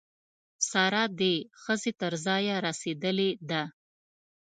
سارا د ښځې تر ځایه رسېدلې ده.